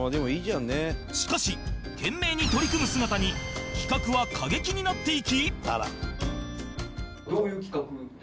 しかし懸命に取り組む姿に企画は過激になっていき